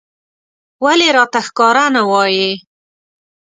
ولې راته ښکاره نه وايې